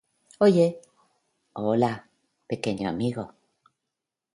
Oye, hola, pequeño amigo.